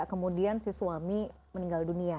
kemudian si suami meninggal dunia